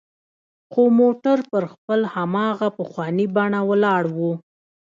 خو موټر پر خپل هماغه پخواني بڼه ولاړ و.